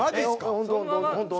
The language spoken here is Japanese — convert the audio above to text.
本当本当。